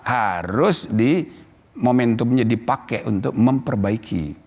harus di momentumnya dipakai untuk memperbaiki